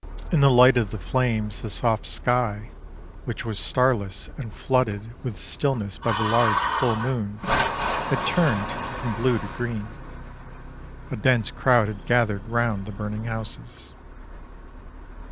In the light of the flames the soft sky, which was starless and flooded with stillness by the large full moon, had turned from blue to green. A dense crowd had gathered round the burning houses.